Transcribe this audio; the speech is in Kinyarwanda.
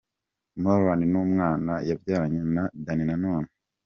Moreen n'umwana yabyaranye na Danny Nanone .